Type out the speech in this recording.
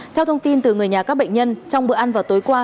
theo thông tin từ người nhà các bệnh nhân trong bữa ăn vào tối qua